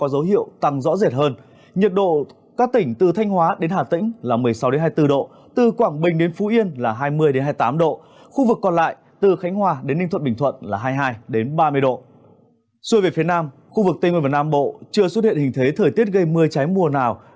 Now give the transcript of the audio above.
xuôi về phía nam khu vực tây nguyên và nam bộ chưa xuất hiện hình thế thời tiết gây mưa cháy mùa nào